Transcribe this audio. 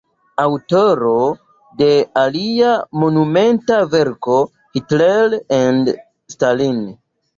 Aŭtoro de alia monumenta verko "Hitler and Stalin.